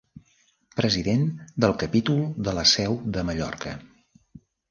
President del Capítol de la Seu de Mallorca.